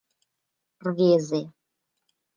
Рвезе: